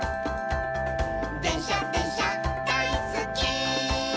「でんしゃでんしゃだいすっき」